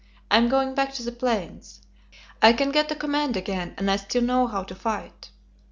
I am going back to the plains. I can get a command again, and I still know how to fight."